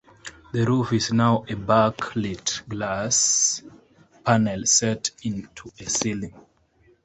That roof is now a back-lit glass panel set into a ceiling.